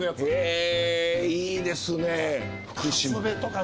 へぇいいですね。